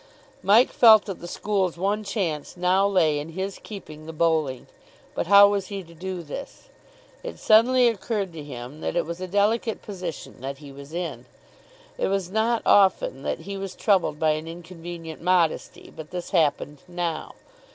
Mike felt that the school's one chance now lay in his keeping the bowling. But how was he to do this? It suddenly occurred to him that it was a delicate position that he was in. It was not often that he was troubled by an inconvenient modesty, but this happened now.